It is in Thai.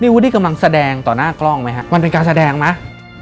วูดนี่กำลังแสดงต่อหน้ากล้องไหมฮะมันเป็นการแสดงไหม